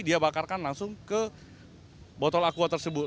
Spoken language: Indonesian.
dia bakarkan langsung ke botol aqua tersebut